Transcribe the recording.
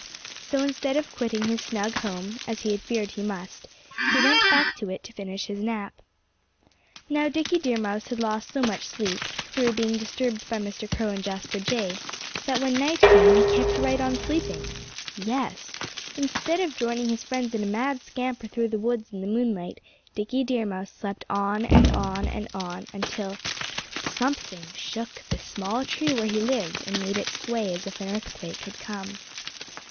So instead of quitting his snug home as he had feared he must he went back to it to finish his nap. Now, Dickie Deer Mouse had lost so much sleep through being disturbed by Mr. Crow and Jasper Jay that when night came he kept right on sleeping. Yes! Instead of joining his friends in a mad scamper through the woods in the moonlight, Dickie Deer Mouse slept on and on and on, until something shook the small tree where he lived and made it sway as if an earthquake had come.